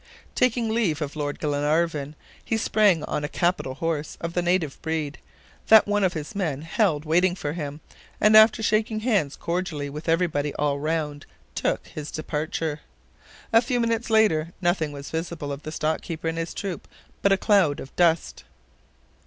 Taking leave of Lord Glenarvan, he sprang on a capital horse of the native breed, that one of his men held waiting for him, and after shaking hands cordially with everybody all round, took his departure. A few minutes later, nothing was visible of the stock keeper and his troop but a cloud of dust.